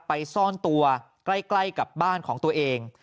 ซ่อนตัวใกล้กับบ้านของตัวเอง